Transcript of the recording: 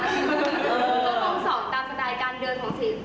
ก็ต้องสอนตามสไตล์การเดินของสิทธิ์